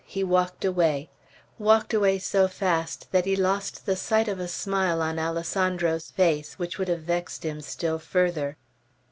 he walked away; walked away so fast, that he lost the sight of a smile on Alessandro's face, which would have vexed him still further.